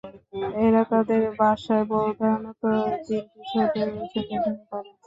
এরা তাদের বাসায় প্রধানত তিনটি ছোটো ছোটো ডিম পাড়ে।